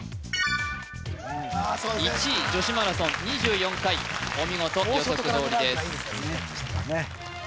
１位女子マラソン２４回お見事予測どおりです